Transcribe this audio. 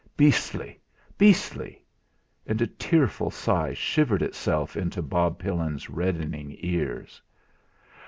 Beastly beastly!" and a tearful sigh shivered itself into Bob Pillin's reddening ears.